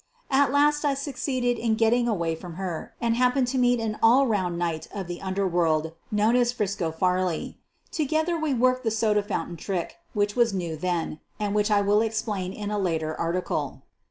At last I succeeded in getting away from her and happened to meet an all round knight of the under world known as "Frisco Farley." Together we 248 SOPHIE LYONS worked the soda fountain trick, which was new then, and which I will explain in a later article.